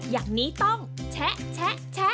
อย่างนี้ต้องแชะ